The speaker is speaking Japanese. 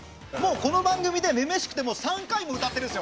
この番組で「女々しくて」３回も歌ってるんですよ！